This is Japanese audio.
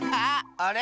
あれ？